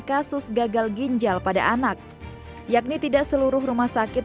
kasus gagal ginjal pada anak yakni tidak seluruh rumah sakit